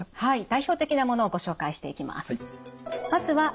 代表的なものをご紹介していきます。